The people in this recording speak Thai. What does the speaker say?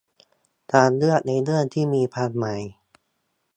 การเลือกในเรื่องที่มีความหมาย